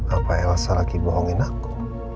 apa ella salah lagi bohongin aku